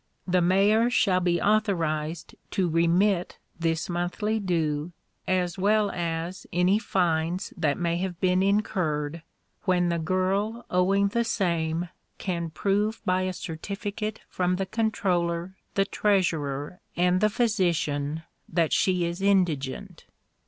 "The mayor shall be authorized to remit this monthly due, as well as any fines that may have been incurred, when the girl owing the same can prove by a certificate from the comptroller, the treasurer, and the physician that she is indigent."